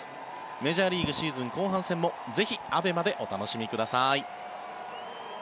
メジャーリーグシーズン後半戦もぜひ、ＡＢＥＭＡでお楽しみください。